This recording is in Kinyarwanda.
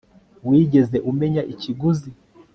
wigeze umenya ikiguzi